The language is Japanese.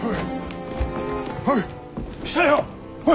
おい。